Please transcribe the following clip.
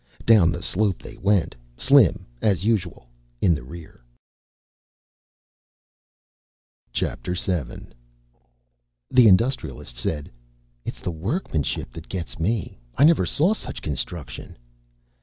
Down the slope they went, Slim, as usual, in the rear. VII The Industrialist said, "It's the workmanship that gets me. I never saw such construction."